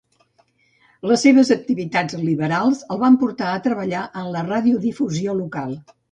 Les seves activitats liberals el van portar a treballar en la radiodifusió local.